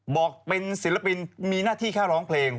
บอกเป็นศิลปินมีหน้าที่แค่ร้องเพลง